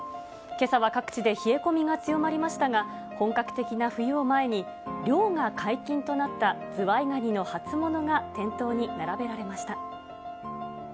けさは各地で冷え込みが強まりましたが、本格的な冬を前に、漁が解禁となったズワイガニの初物が店頭に並べられました。